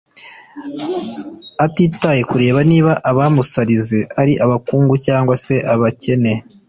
atitaye kureba niba abamusarize ari abakungu cyangwa se abakene.